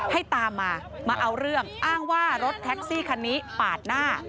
ให้ตามมามาเอาเรื่องอ้างว่ารถแท็กซี่คันนี้ปาดหน้า